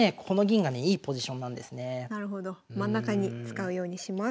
真ん中に使うようにします。